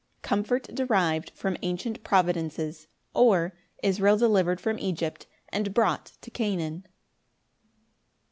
Comfort derived from ancient providences; or, Israel delivered from Egypt, and brought to Canaan.